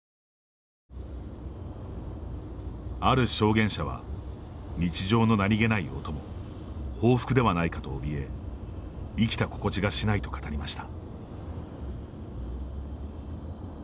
ある証言者は日常の何気ない音も報復ではないかとおびえ生きた心地がしないと語りました。